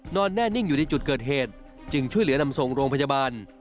นอนแน่นิ่งอยู่ในจุดเกิดเหตุจึงช่วยเหลือนำส่งโรงพยาบาล